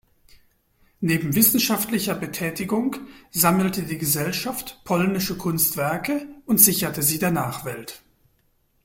Neben wissenschaftlicher Betätigung sammelte die Gesellschaft polnische Kunstwerke und sicherte sie der Nachwelt.